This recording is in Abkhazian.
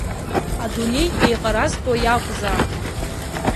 Адунеи еиҟаразтәуа иакәзаап!